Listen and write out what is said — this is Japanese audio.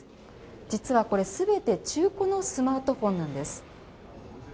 実はこれ、すべて中古のスマートフォンなんです。